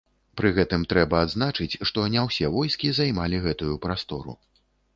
Пры гэтым трэба адзначыць, што не ўсе войскі займалі гэтую прастору.